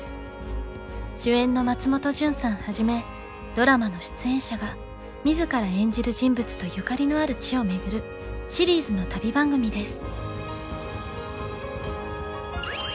主演の松本潤さんはじめドラマの出演者が自ら演じる人物とゆかりのある地を巡るシリーズの旅番組です。